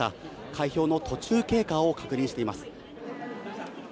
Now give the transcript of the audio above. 開票の途中経過を確認しています。